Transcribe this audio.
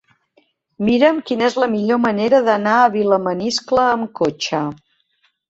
Mira'm quina és la millor manera d'anar a Vilamaniscle amb cotxe.